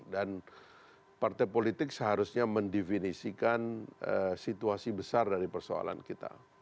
dan partai politik seharusnya mendefinisikan situasi besar dari persoalan kita